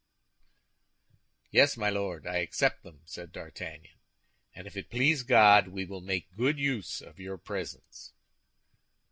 "Yes, my Lord, I accept them," said D'Artagnan; "and if it please God, we will make a good use of your presents."